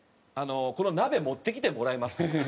この鍋持ってきてもらえますか？」と。